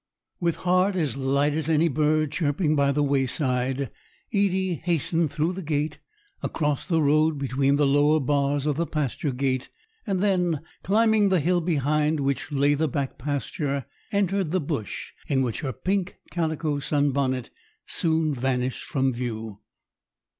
With heart as light as any bird chirping by the wayside, Edie hastened through the gate, across the road, between the lower bars of the pasture gate, and then, climbing the hill behind which lay the back pasture, entered the bush, in which her pink calico sun bonnet soon vanished from view.